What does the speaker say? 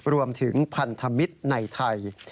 รวมถึงพันธมิตรในไทย